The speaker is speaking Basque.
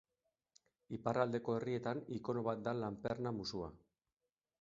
Iparraldeko herrietan ikono bat da lanperna-musua.